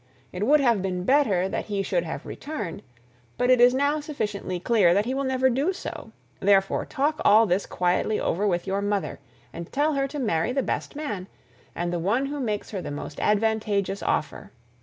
It would have been better that he should have returned, but it is now sufficiently clear that he will never do so; therefore talk all this quietly over with your mother, and tell her to marry the best man, and the one who makes her the most advantageous offer.